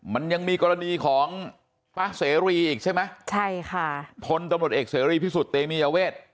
มันยังมีกรณีของป้าเสรีอีกใช่ไหมใช่ค่ะพลตำรวจเอกเสรีพิสุทธิ์เตมียเวท